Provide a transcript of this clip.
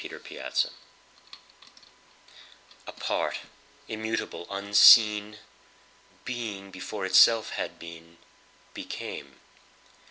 The Quest APART, immutable, unseen, Being, before itself had been, Became.